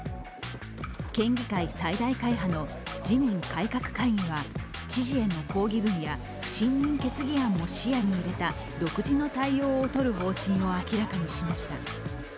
県議会最大改革会派の自民改革会議は知事への抗議文や不信任決議案も視野に入れた独自の対応を取る方針を明らかにしました。